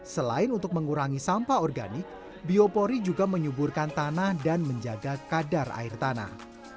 selain untuk mengurangi sampah organik biopori juga menyuburkan tanah dan menjaga kadar air tanah